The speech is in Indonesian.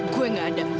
gue gak ada